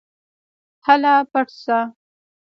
هله پټ شه.